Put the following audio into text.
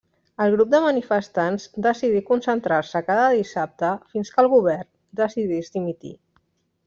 El grup de manifestants decidí concentrar-se cada dissabte fins que el Govern decidís dimitir.